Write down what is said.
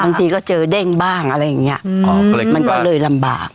บางทีก็เจอเด้งบ้างอะไรอย่างเงี้ยมันก็เลยลำบาก